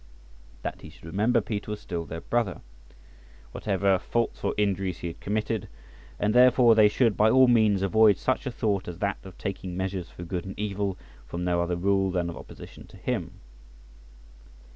That he should remember Peter was still their brother, whatever faults or injuries he had committed, and therefore they should by all means avoid such a thought as that of taking measures for good and evil from no other rule than of opposition to him.